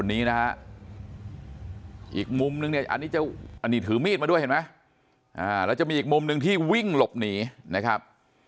อีกมุมนึงอันนี้ถือมีดมาด้วยเห็นไหมแล้วจะมีอีกมุมนึงที่วิ่งหลบหนีนะครับ